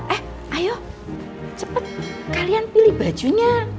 eh ayo cepat kalian pilih bajunya